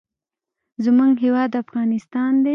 زموږ هیواد افغانستان دی.